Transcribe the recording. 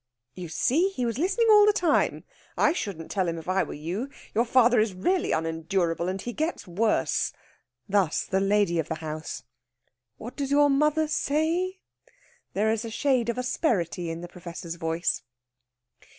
"You see, he was listening all the time. I shouldn't tell him, if I were you. Your father is really unendurable. And he gets worse." Thus the lady of the house. "What does your mother say?" There is a shade of asperity in the Professor's voice.